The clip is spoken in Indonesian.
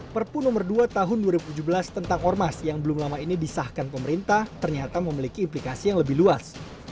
perpu nomor dua tahun dua ribu tujuh belas tentang ormas yang belum lama ini disahkan pemerintah ternyata memiliki implikasi yang lebih luas